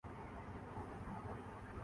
جنون صرف اچھی نہیں ناگزیر چیز ہے۔